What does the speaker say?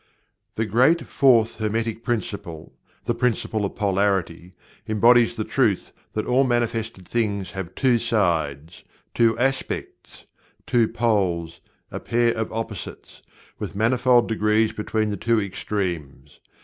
The great Fourth Hermetic Principle the Principle of Polarity embodies the truth that all manifested things have "two sides"; "two aspects"; "two poles"; a "pair of opposites," with manifold degrees between the two extremes.